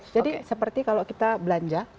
jadi seperti kalau kita belanja